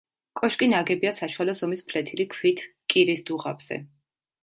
კოშკი ნაგებია საშუალო ზომის ფლეთილი ქვით კირის დუღაბზე.